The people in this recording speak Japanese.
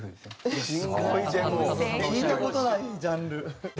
聞いた事ないジャンル。